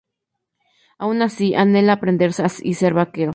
Aun así, anhela aprender y ser vaquero.